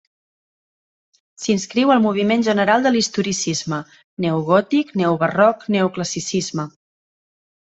S'inscriu al moviment general de l'historicisme: neogòtic, neobarroc, neoclassicisme.